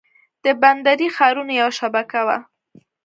د بندري ښارونو یوه شبکه وه.